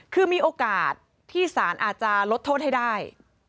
คือมีโอกาสที่สารอาจจะลดโทษให้ได้